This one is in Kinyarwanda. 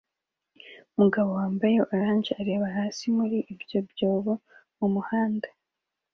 Umugabo wambaye orange areba hasi muri ibyo byobo mumuhanda